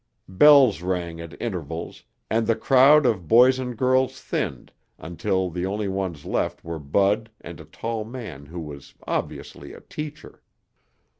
Bells rang at intervals and the crowd of boys and girls thinned until the only ones left were Bud and a tall man who was obviously a teacher.